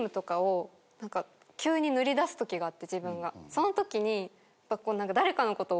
そのときに。